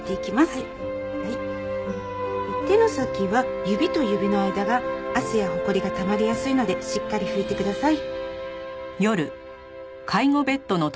手の先は指と指の間が汗やホコリがたまりやすいのでしっかり拭いてください。